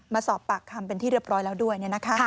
มาสอบปากคำเป็นที่เรียบร้อยแล้วด้วย